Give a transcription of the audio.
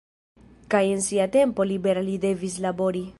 Kaj en sia tempo libera li devis labori.